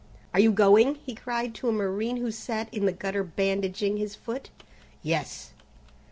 "Are you going?" he cried to a marine who sat in the gutter bandaging his foot. "Yes."